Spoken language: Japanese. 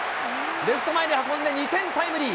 レフト前に運んで２点タイムリー。